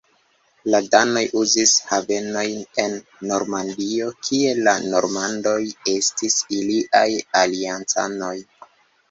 La danoj uzis havenojn en Normandio kie la normandoj estis iliaj aliancanoj.